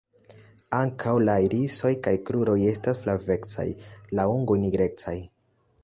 Ankaŭ la irisoj kaj kruroj estas flavecaj; la ungoj nigrecaj.